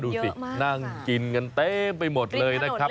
ดูสินั่งกินกันเต็มไปหมดเลยนะครับ